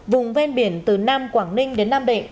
vùng ven biển từ nam quảng ninh đến nam định